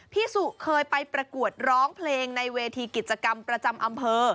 พี่สุเคยไปประกวดร้องเพลงในเวทีกิจกรรมประจำอำเภอ